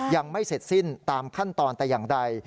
ยังไม่เสร็จสิ้นตามขั้นตอนแต่อย่างใด